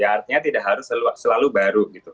artinya tidak harus selalu baru gitu